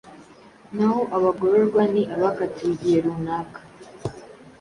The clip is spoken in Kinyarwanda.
naho abagororwa ni abakatiwe igihe runaka